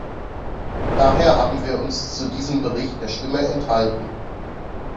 Daher haben wir uns zu diesem Bericht der Stimme enthalten.